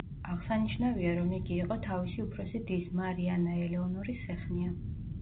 აღსანიშნავია, რომ იგი იყო თავისი უფროსი დის, მარი ანა ელეონორის სეხნია.